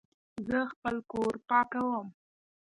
زه خپل کور پاکوم